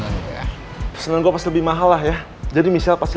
aduh ini motor kenapa lagi kok mati